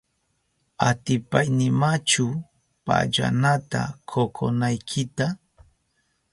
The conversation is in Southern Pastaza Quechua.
¿Atipaynimachu pallanata kokonaykita?